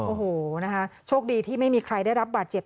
โอ้โหนะคะโชคดีที่ไม่มีใครได้รับบาดเจ็บ